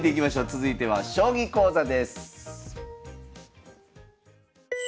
続いては将棋講座です。